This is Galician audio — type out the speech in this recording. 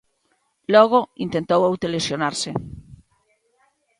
Logo intentou autolesionarse.